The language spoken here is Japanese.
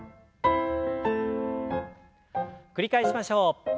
繰り返しましょう。